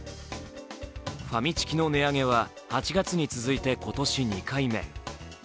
ファミチキの値上げは８月に続いて今年２回目。